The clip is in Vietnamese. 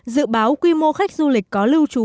dự báo quy mô khách du lịch có lưu trú